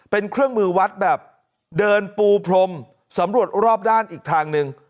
เป็นเครื่องมือวัดแบบเดินปูพรมสำรวจรอบด้านอีกทางหนึ่ง